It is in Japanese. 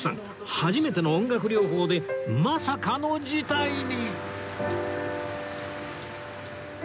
初めての音楽療法でまさかの事態に